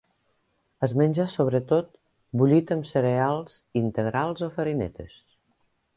Es menja sobretot bullit amb cereals integrals o farinetes.